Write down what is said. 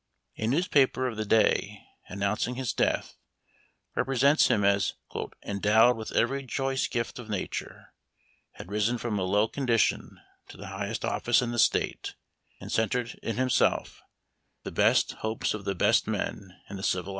A newspaper of the day, an nouncing his death, represents him as " endowed with every choicest gift of nature, had risen from a low condition to the highest office in the State, and centered in himself the best Memoir of Washington Irving.